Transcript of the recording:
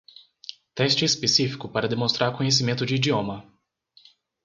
Teste específico para demonstrar conhecimento de idioma.